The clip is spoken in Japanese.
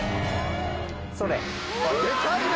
それ！